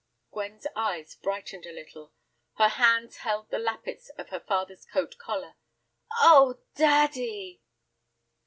Gwen's eyes brightened a little; her hands held the lappets of her father's coat collar. "Oh—daddy!"